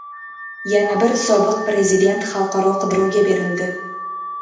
Yana bir sobiq prezident xalqaro qidiruvga berildi